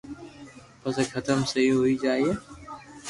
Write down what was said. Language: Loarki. پسي جيم سھي ھوئي ھوئي جائين